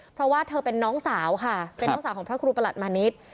เพราะว่าเธอเป็นน้องสาวค่ะเป็นน้องสาวของพระครูประหลัดมาณิชย์